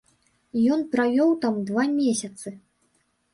Ён правёў там два месяцы.